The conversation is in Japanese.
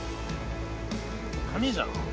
紙じゃん。